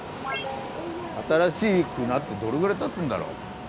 新しくなってどれぐらいたつんだろう。